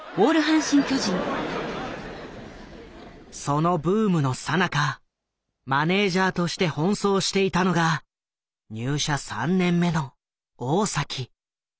そのブームのさなかマネージャーとして奔走していたのが入社３年目の大。